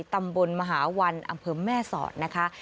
ตำบลมหาวันอำเภอแม่สอดนะคะ